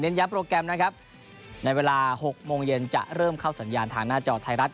ย้ำโปรแกรมนะครับในเวลา๖โมงเย็นจะเริ่มเข้าสัญญาณทางหน้าจอไทยรัฐ